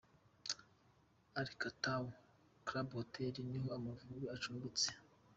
El Kantaoui Club Hotel niho Amavubi acumbitse